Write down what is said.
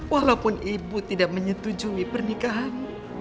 walaupun ibu tidak menyetujui pernikahan